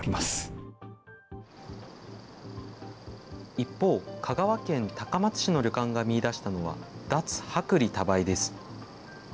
一方、香川県高松市の旅館が見いだしたのは、脱・薄利多売です。